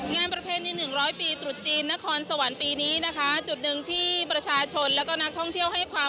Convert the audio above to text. งานประเภทใน๑๐๐ปีตรุษจีนนครสวรรค์ปีนี้นะคะ